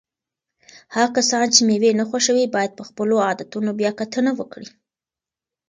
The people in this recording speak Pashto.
هغه کسان چې مېوې نه خوښوي باید په خپلو عادتونو بیا کتنه وکړي.